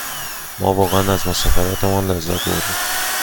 ما واقعاً از مسافرتمان لذت بردیم.